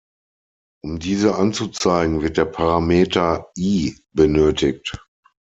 Um diese anzuzeigen, wird der Parameter "-i" benötigt.